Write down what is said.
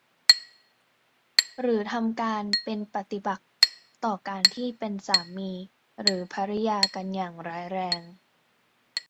หรือทำการเป็นปฏิปักษ์ต่อการที่เป็นสามีหรือภริยากันอย่างร้ายแรง